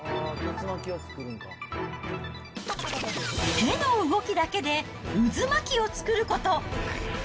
手の動きだけで、渦巻きを作ること。